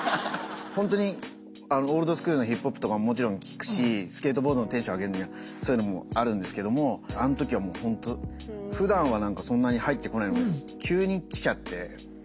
本当にオールドスクールのヒップホップとかもちろん聴くしスケートボードのテンション上げるにはそういうのもあるんですけどもあの時はもう本当ふだんは何かそんなに入ってこないのが急にきちゃって。